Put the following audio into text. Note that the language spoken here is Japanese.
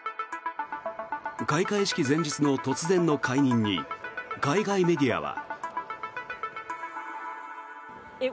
開会式前日の突然の解任に海外メディアは。